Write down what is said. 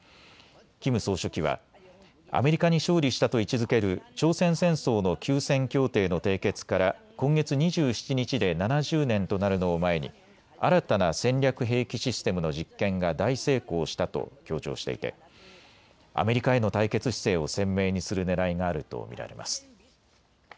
キム総書記はアメリカに勝利したと位置づける朝鮮戦争の休戦協定の締結から今月２７日で７０年となるのを前に新たな戦略兵器システムの実験が大成功したと強調していてアメリカへの対決姿勢を鮮明にするねらいがあると見られます。